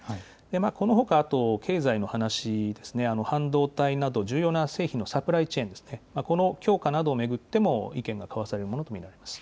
このほか、あと経済の話ですね、半導体など重要な製品のサプライチェーンですね、この強化などを巡っても、意見が交わされるものと見られます。